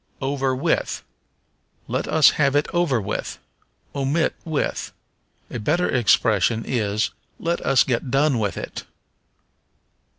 Over with. "Let us have it over with." Omit with. A better expression is, Let us get done with it.